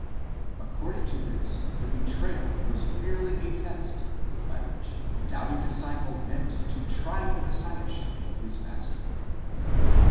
According to this, the betrayal was merely a test, by which the doubting disciple meant to try the messiahship of his master.